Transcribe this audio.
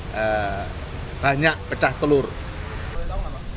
kita juga melaporkan terkait dengan perolehan suara pkb secara nasional